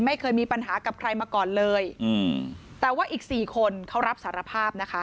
ไม่เคยมีปัญหากับใครมาก่อนเลยอืมแต่ว่าอีกสี่คนเขารับสารภาพนะคะ